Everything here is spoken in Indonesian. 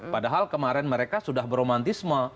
padahal kemarin mereka sudah beromantisme